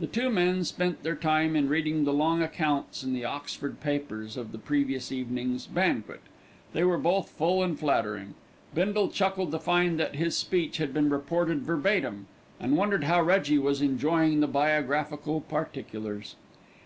The two men spent their time in reading the long accounts in the Oxford papers of the previous evening's "banquet." They were both full and flattering. Bindle chuckled to find that his speech had been reported verbatim, and wondered how Reggie was enjoying the biographical particulars.